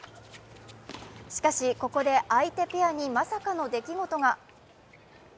しかし、ここで相手ペアにまさかの出来事が。